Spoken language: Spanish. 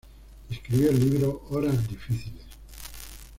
Escribió el libro "Horas difíciles.